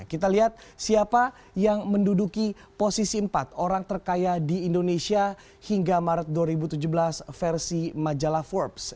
kita lihat siapa yang menduduki posisi empat orang terkaya di indonesia hingga maret dua ribu tujuh belas versi majalah forbes